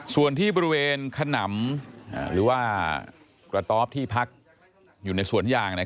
ส่วนที่บริเวณขนำหรือว่ากระต๊อบที่พักอยู่ในสวนยาง